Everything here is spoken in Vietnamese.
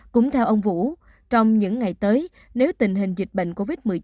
cũng theo ông vũ trong những ngày tới nếu tình hình dịch bệnh covid một mươi chín